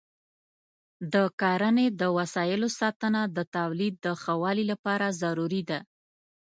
د کرنې د وسایلو ساتنه د تولید د ښه والي لپاره ضروري ده.